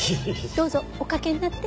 どうぞおかけになって。